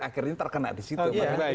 akhirnya terkena disitu